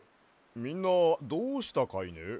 みんなどうしたかいね？